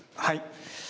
はい。